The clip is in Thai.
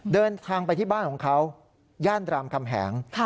เดินทางไปที่บ้านของเขาย่านรามคำแหง